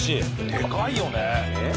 でかいよね。